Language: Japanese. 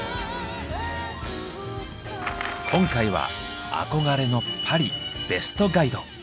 今回は憧れのパリベストガイド。